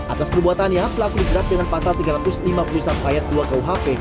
atas perbuatannya pelaku dijerat dengan pasal tiga ratus lima puluh satu ayat dua kuhp